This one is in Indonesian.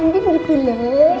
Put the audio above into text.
ampe berikut lo